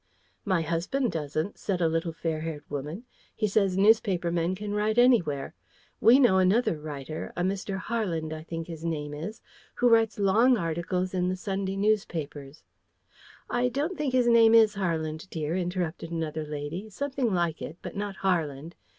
"My husband doesn't," said a little fair haired woman. "He says newspaper men can write anywhere. And we know another writer, a Mr. Harland, I think his name is, who writes long articles in the Sunday newspapers " "I don't think his name is Harland, dear," interrupted another lady. "Something like it, but not Harland.